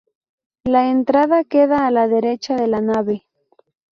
La entrada queda a la derecha de la nave.